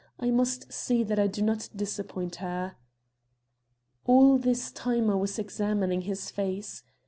I must see that I do not disappoint her." All this time I was examining his face.